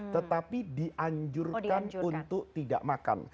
tetapi dianjurkan untuk tidak makan